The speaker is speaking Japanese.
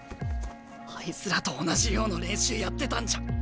あいつらと同じような練習やってたんじゃ。